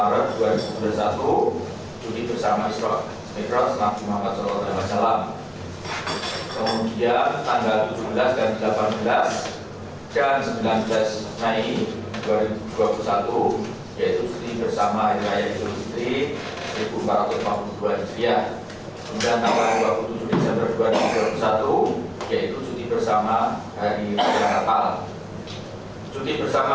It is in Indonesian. rapat diputuskan dalam rapat koordinasi tingkat menteri untuk meninjau surat keputusan bersama dua ribu dua puluh satu